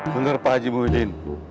bener pak aji muhyiddin